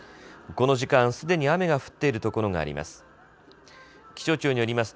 この時間、すでに雨が降っている所があります。